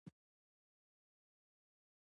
ایس میکس یو ګام شاته شو ترڅو ورته وګوري